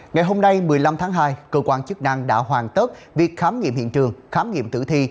ngày hôm nay một mươi năm tháng hai cơ quan chức năng đã hoàn tất việc khám nghiệm hiện trường khám nghiệm tử thi